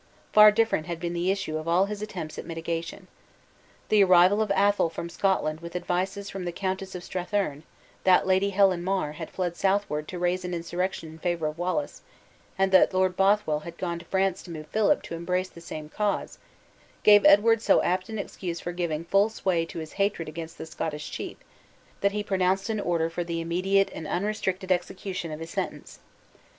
Far different had been the issue of all his attempts at mitigation. The arrival of Athol from Scotland with advices from the Countess of Strathearn, that Lady Helen Mar had fled southward to raise an insurrection in favor of Wallace, and that Lord Bothwell had gone to France to move Philip to embrace the same cause, gave Edward so apt an excuse for giving full way to his hatred against the Scottish chief, that he pronounced an order for the immediate and unrestricted execution of his sentence.